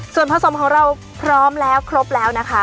ส่วนผสมของเราพร้อมแล้วครบแล้วนะคะ